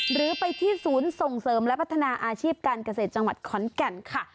หรือไปที่ศูนย์ส่งเสริมและพัฒนาอาชีพการเกษตรจังหวัดขอนแก่นค่ะ